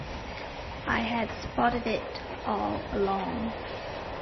I had spotted it all along.